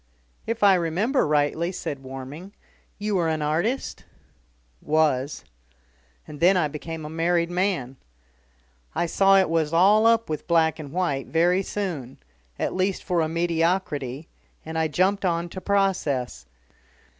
"If I remember rightly," said Warming, "you were an artist?" "Was. And then I became a married man. I saw it was all up with black and white, very soon at least for a mediocrity, and I jumped on to process.